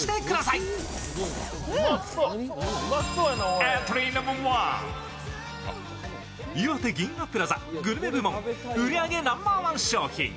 いわて銀河プラザグルメ部門、売り上げナンバーワン商品。